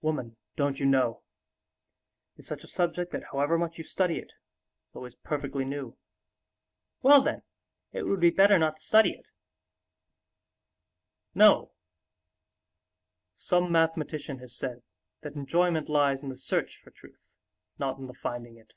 Woman, don't you know, is such a subject that however much you study it, it's always perfectly new." "Well, then, it would be better not to study it." "No. Some mathematician has said that enjoyment lies in the search for truth, not in the finding it."